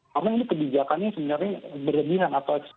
karena ini kebijakannya sebenarnya berlebihan